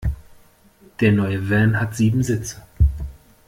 Der neue Van hat sieben Sitze.